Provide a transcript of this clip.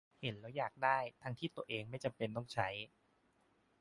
เห็นแล้วอยากได้ ทั้งที่ตัวเองไม่จำเป็นต้องใช้